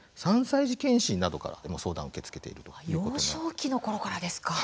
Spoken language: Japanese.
３歳児検診などからでも相談を受け付けている幼少期のころからですか。